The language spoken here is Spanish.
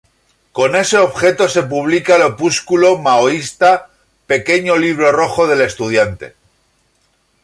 Con ese objeto se publica el opúsculo maoísta "Pequeño Libro Rojo del Estudiante.